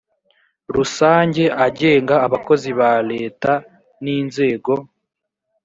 rusange agenga abakozi ba leta n inzego